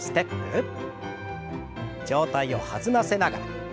上体を弾ませながら。